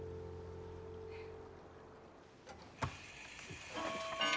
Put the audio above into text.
うん。